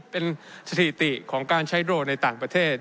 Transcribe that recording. เป็นสถิติของการใช้โดรนในต่างประเทศ